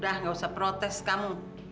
dah gak usah protes kamu